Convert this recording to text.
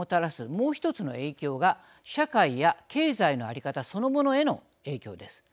もう１つの影響が社会や経済の在り方そのものへの影響です。